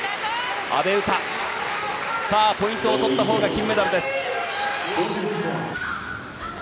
阿部詩、ポイントを取ったほうが金メダルです。